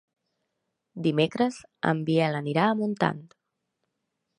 Dimecres en Biel anirà a Montant.